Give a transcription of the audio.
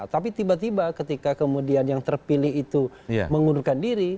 tapi tiba tiba ketika kemudian yang terpilih itu mengundurkan diri